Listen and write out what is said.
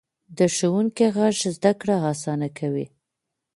د ښوونکي غږ زده کړه اسانه کوي.